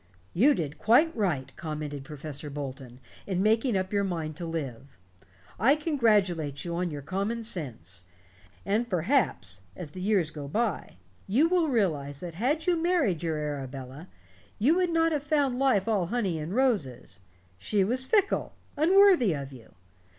"You did quite right," commented Professor Bolton, "in making up your mind to live. I congratulate you on your common sense. And perhaps, as the years go by, you will realize that had you married your Arabella, you would not have found life all honey and roses. She was fickle, unworthy of you.